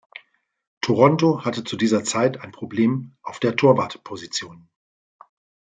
Toronto hatte zu dieser Zeit ein Problem auf der Torwartposition.